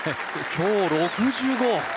今日、６５！